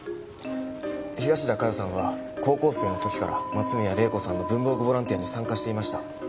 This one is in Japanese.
東田加代さんは高校生の時から松宮玲子さんの文房具ボランティアに参加していました。